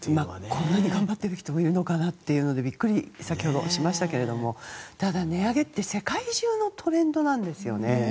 こんなに頑張っている人がいるのかなとびっくり、先ほどしましたがただ、値上げって世界中のトレンドなんですよね。